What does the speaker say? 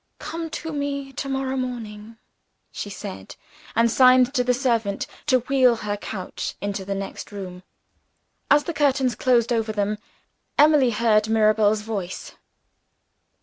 "Come to me to morrow morning," she said and signed to the servant to wheel her couch into the next room. As the curtain closed over them, Emily heard Mirabel's voice.